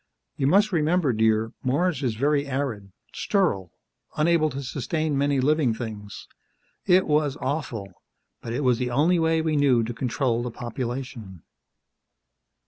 You must remember, dear, Mars is very arid sterile unable to sustain many living things. It was awful, but it was the only way we knew to control the population."